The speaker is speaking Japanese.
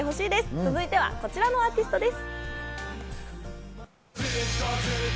続いてはこちらのアーティストです。